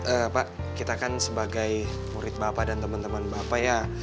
eh pak kita kan sebagai murid bapak dan temen temen bapak ya